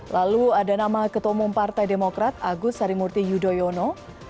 lalu ada nama ketua umum partai demokrat agus harimurti yudhoyono